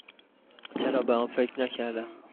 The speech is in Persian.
چرا به آن فکر نکردم؟